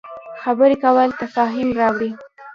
خبرې کول تفاهم راوړي